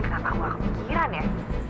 kenapa aku nggak kepikiran ya